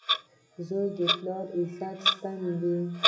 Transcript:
• زوی د پلار د عزت ستن وي.